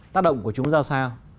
tác động của chúng ra sao